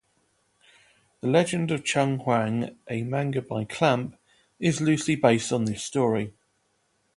"Legend of Chun Hyang", a manga by Clamp, is loosely based on this story.